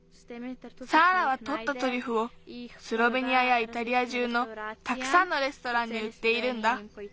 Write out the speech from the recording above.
サーラはとったトリュフをスロベニアやイタリア中のたくさんのレストランにうっているんだ。